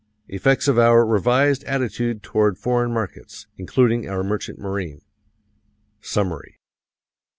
Effects of our revised attitude toward foreign markets, including our merchant marine. Summary.